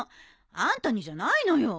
あんたにじゃないのよ。